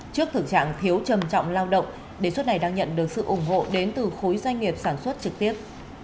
trước thực trạng thiếu trầm trọng lao động đề xuất này đang nhận được sự ủng hộ đến từ khối doanh nghiệp sản xuất trực tiếp